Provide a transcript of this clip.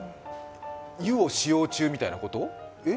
湯を使用中みたいなこと？